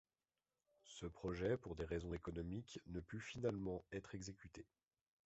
Ce projet, pour des raisons économiques ne put finalement être excécuté.